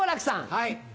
はい。